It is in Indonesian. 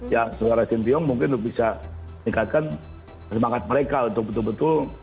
ya seolah olah sintayong mungkin bisa meningkatkan semangat mereka untuk betul betul